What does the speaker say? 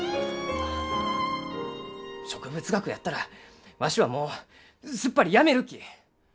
植物学やったらわしはもうすっぱりやめるき！